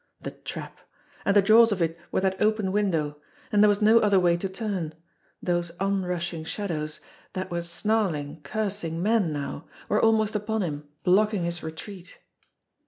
The trap! And the jaws of it were that open window! And there was no other way to turn. Those on rushing shadows, that were snarling, cursing men now, were almost upon him, blocking his retreat.